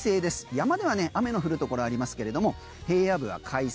山では雨の降るところありますが平野部は快晴。